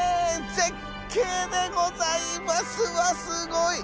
絶景でございますわすごい！